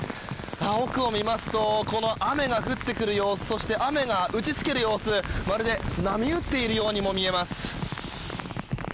奥を見ますと雨が降ってくる様子そして雨が打ち付ける様子まるで波打っているようにも見えます。